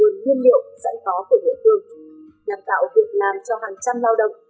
nhằm tạo việc làm cho hàng trăm lao động